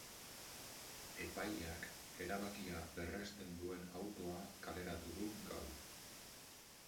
Epaileak erabakia berresten duen autoa kaleratu du gaur.